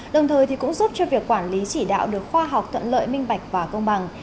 đồng thời cũng giúp cho việc quản lý chỉ đạo được khoa học thuận lợi minh bạch và công bằng